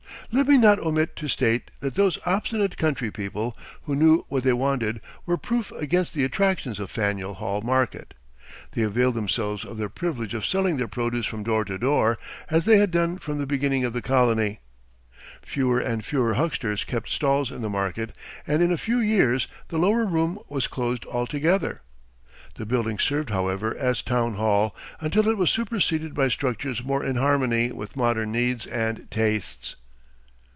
Let me not omit to state that those obstinate country people, who knew what they wanted, were proof against the attractions of Faneuil Hall market. They availed themselves of their privilege of selling their produce from door to door, as they had done from the beginning of the colony. Fewer and fewer hucksters kept stalls in the market, and in a few years the lower room was closed altogether. The building served, however, as Town Hall until it was superseded by structures more in harmony with modern needs and tastes.